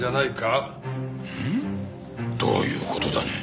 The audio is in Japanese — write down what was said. うん？どういう事だね？